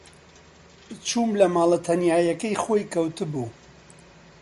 چووم لە ماڵە تەنیایییەکەی خۆی کەوتبوو.